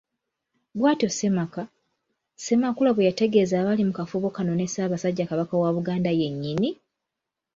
Bwatyo ssemaka, Ssemakalu bweyategeeza abaali mu kafubo kano ne Ssabasajja Kabaka wa Buganda yennyini!